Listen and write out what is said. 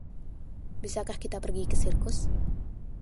Bisakah kita pergi ke sirkus?